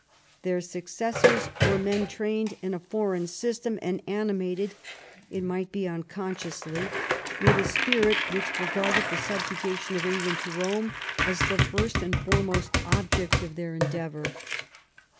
Their successors were men trained in a Nforeign system, and animated — it might be unconsciously — with a spirit which regarded the subjugation of England to Rome as the first and foremost object of their endeavour.